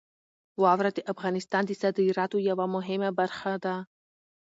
واوره د افغانستان د صادراتو یوه مهمه برخه ده.